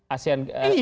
asean sepak bola